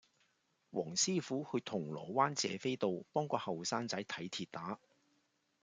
黃師傅去銅鑼灣謝斐道幫個後生仔睇跌打